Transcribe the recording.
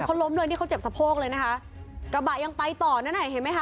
เขาล้มเลยนี่เขาเจ็บสะโพกเลยนะคะกระบะยังไปต่อนั่นอ่ะเห็นไหมคะ